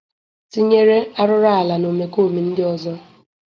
tinyere arụrụ ala na omekoome ndị ọzọ.